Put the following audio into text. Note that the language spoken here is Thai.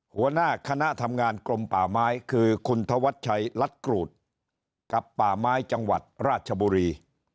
หัวหน้าคณะทำงานกรมป่าไม้คือคุณธวัชชัยรัฐกรูดกับป่าไม้จังหวัดราชบุรี